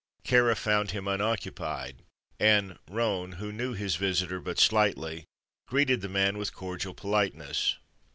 Kāra found him unoccupied, and Roane, who knew his visitor but slightly, greeted the man with cordial politeness.